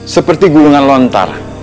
seperti gulungan lontar